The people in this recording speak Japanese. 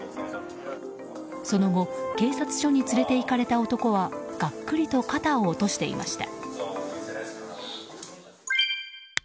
その後、警察署に連れていかれた男はがっくりと肩を落としていました。